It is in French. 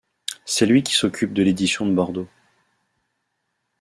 C’est lui qui s’occupe de l’édition de Bordeaux.